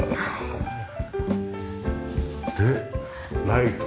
でライト。